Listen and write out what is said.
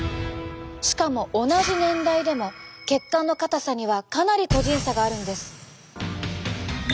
しかも同じ年代でも血管の硬さにはかなり個人差があるんです。